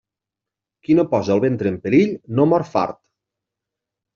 Qui no posa el ventre en perill no mor fart.